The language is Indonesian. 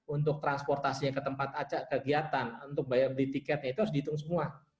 untuk transportasinya ke tempat acak kegiatan untuk bayar beli tiketnya itu harus dihitung semua